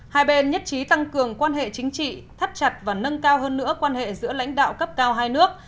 hai bên nhất trí tăng cường quan hệ chính trị thắt chặt và nâng cao hơn nữa quan hệ giữa lãnh đạo cấp cao hai nước